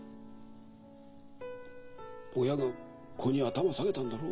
親が子に頭下げたんだろう？